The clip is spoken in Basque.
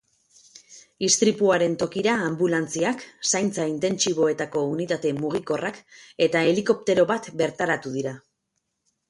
Istripuaren tokira anbulantziak, zaintza intentsiboetako unitate mugikorrak eta helikoptero bat bertaratu dira.